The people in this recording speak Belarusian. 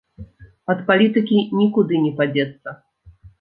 Ад палітыкі нікуды не падзецца!